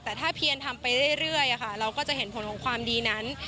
แต่ถ้าเพียนทำไปเรื่อยเราก็จะเห็นผลของความดีนั้น